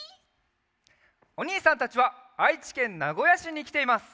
おにいさんたちはあいちけんなごやしにきています。